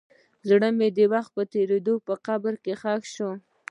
زړه مې د تېر وخت په قبر کې ښخ شو.